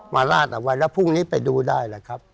ลาดเอาไว้แล้วพรุ่งนี้ไปดูได้แหละครับ